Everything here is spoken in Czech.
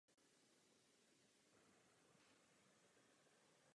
Album produkovali členové skupiny.